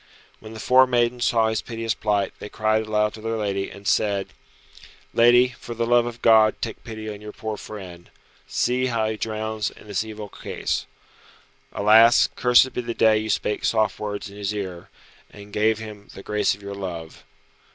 When the four maidens saw his piteous plight they cried aloud to their lady, and said, "Lady, for the love of God, take pity on your poor friend. See, how he drowns in this evil case. Alas, cursed be the day you spake soft words in his ear, and gave him the grace of your love.